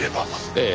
ええ。